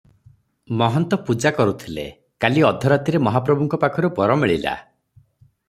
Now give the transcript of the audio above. ମହନ୍ତ ପୂଜା କରୁଥିଲେ, କାଲି ଅଧରାତିରେ ମହାପ୍ରଭୁଙ୍କ ପାଖରୁ ବର ମିଳିଲା ।